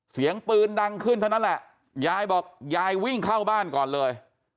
เสียงปืนดังขึ้นเท่านั้นแหละยายบอกยายวิ่งเข้าบ้านก่อนเลย